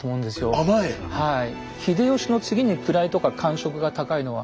はい。